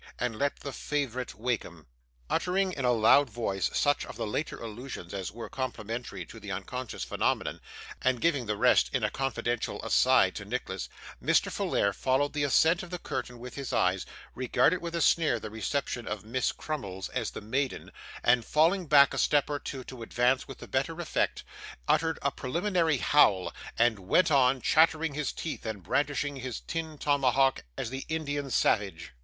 and let the favourite wake 'em.' Uttering in a loud voice such of the latter allusions as were complimentary to the unconscious phenomenon, and giving the rest in a confidential 'aside' to Nicholas, Mr. Folair followed the ascent of the curtain with his eyes, regarded with a sneer the reception of Miss Crummles as the Maiden, and, falling back a step or two to advance with the better effect, uttered a preliminary howl, and 'went on' chattering his teeth and brandishing his tin tomahawk as the Indian Savage.